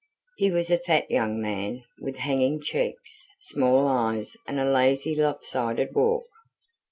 He was a fat young man, with hanging cheeks, small eyes, and a lazy, lopsided walk.